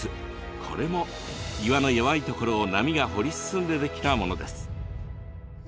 これも岩の弱い所を波が掘り進んで出来たものです。